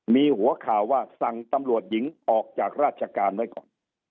มีหัวข่าวว่าสั่งตำรวจหญิงออกจากราชการไว้ก่อน